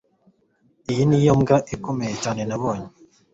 Iyi niyo mbwa ikomeye cyane nabonye